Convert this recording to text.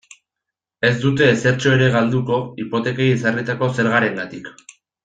Ez dute ezertxo ere galduko hipotekei ezarritako zergarengatik.